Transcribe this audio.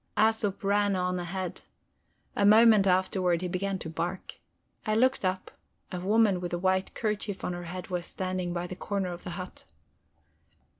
Æsop ran on ahead; a moment afterward he began to bark. I looked up; a woman with a white kerchief on her head was standing by the corner of the hut.